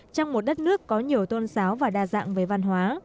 trong một đất nước có nhiều tôn giáo và đa dạng về văn hóa